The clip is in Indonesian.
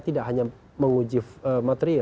tidak hanya menguji materi